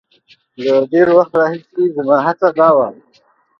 له ډېر وخت راهیسې زما هڅه دا وه.